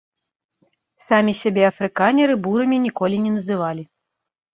Самі сябе афрыканеры бурамі ніколі не называлі.